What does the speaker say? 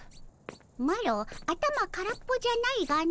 マロ頭空っぽじゃないがの。